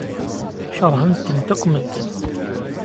Keṛhen-tent akk medden.